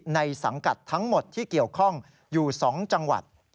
สังกัดทั้งหมดที่เกี่ยวข้องอยู่๒จังหวัด